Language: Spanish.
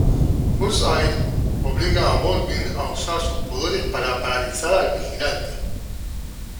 Bullseye obliga a Baldwin a usar sus poderes para paralizar al vigilante.